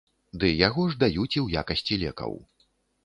Ды яго ж даюць і ў якасці лекаў.